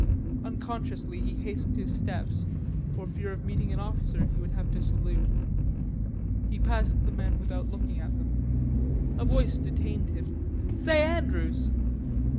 Unconsciously he hastened his steps, for fear of meeting an officer he would have to salute. He passed the men without looking at them. A voice detained him. "Say, Andrews."